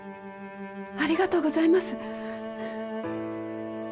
ありがとうございます！